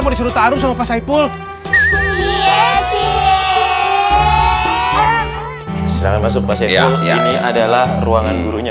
mau disuruh taruh sama pasipul iya silahkan masuk pasir yang ini adalah ruangan gurunya